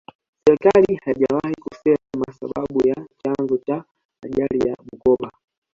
serikali haijawahi kusema sababu za chanzo cha ajali ya bukoka